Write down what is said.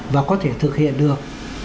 và có thể thực hiện được